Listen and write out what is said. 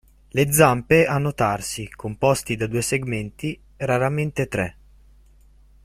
Le zampe hanno tarsi composti da due segmenti, raramente tre.